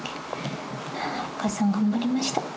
お母さん頑張りました。